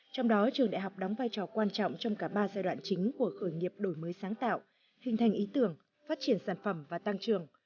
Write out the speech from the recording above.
trong đó trường đại học đóng vai trò quan trọng trong cả ba giai đoạn chính của khởi nghiệp đổi mới sáng tạo hình thành ý tưởng phát triển sản phẩm và tăng trường